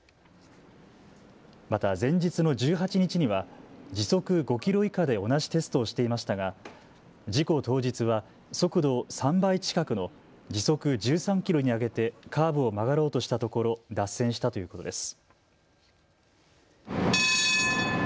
また前日の１８日には時速５キロ以下で同じテストをしていましたが事故当日は速度を３倍近くの時速１３キロに上げてカーブを曲がろうとしたところ脱線したということです。